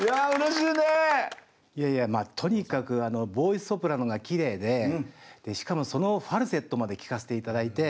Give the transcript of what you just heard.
いやいやとにかくあのボーイソプラノがきれいでしかもそのファルセットまで聴かせて頂いて。